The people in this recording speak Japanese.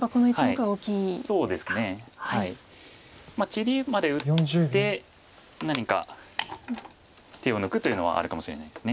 切りまで打って何か手を抜くというのはあるかもしれないです。